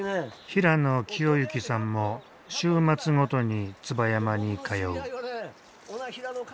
平野清幸さんも週末ごとに椿山に通う。